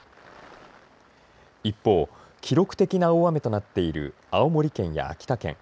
一方、記録的な大雨となっている青森県や秋田県。